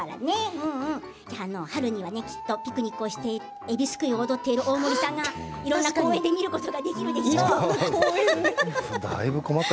春にはきっとピクニックをして、えびすくいをしている大森さんをいろんなところで見かけられるでしょう。